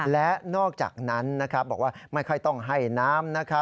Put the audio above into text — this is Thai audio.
และนอกจากนั้นบอกว่าไม่ค่อยต้องให้น้ำ